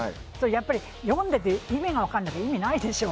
やっぱり読んでて意味が分からないと意味がないでしょ。